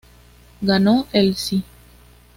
Ganó el SÍ.